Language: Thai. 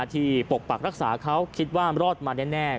ปกปักรักษาเขาคิดว่ารอดมาแน่